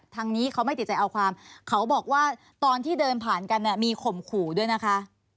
ทางนี้เขาไม่ติดใจเอาความเขาบอกว่าตอนที่เดินผ่านกันเนี่ยมีข่มขู่ด้วยนะคะ